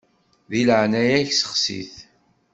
Di leɛnaya-k seɣti-t.